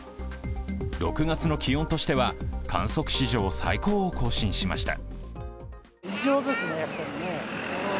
６月の気温としては観測史上最高を更新しました。